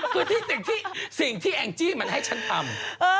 คือที่สิ่งที่แองจี้มันให้ฉันทำ